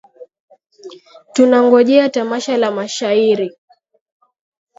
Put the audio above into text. Tunangojea tamasha la mashairi.